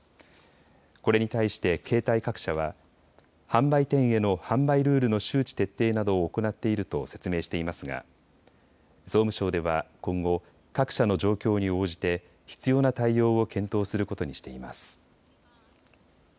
これに対して携帯各社は販売店への販売ルールの周知徹底などを行っていると説明していますが総務省では今後、各社の状況に応じて必要な対応を検討することにしています。